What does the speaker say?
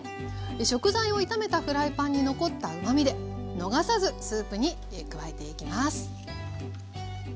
食材を炒めたフライパンに残ったうまみで逃さずスープに加えていきます。